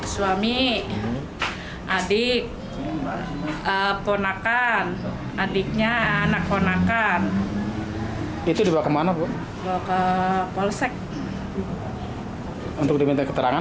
suami adik ponakan adiknya anak ponakan itu dibawa kemana bu ke polsek untuk diminta keterangan